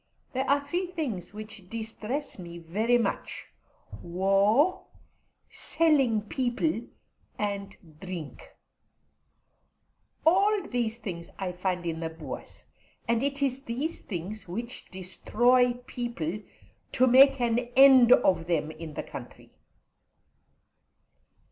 There are three things which distress me very much war, selling people, and drink. All these things I find in the Boers, and it is these things which destroy people, to make an end of them in the country.